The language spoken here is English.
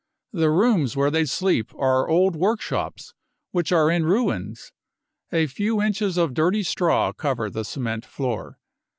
The rooms where they sleep are old workshops which are in ruins ; a few inches of dirty straw cover the cement floor."